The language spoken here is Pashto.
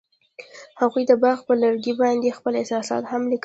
هغوی د باغ پر لرګي باندې خپل احساسات هم لیکل.